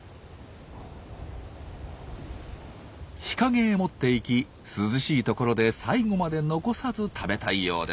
日陰へ持っていき涼しいところで最後まで残さず食べたいようです。